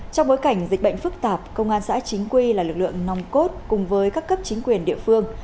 trong bối cảnh dịch bệnh phức tạp công an xã chính quy là lực lượng nòng cốt cùng với các cấp chính quyền địa phương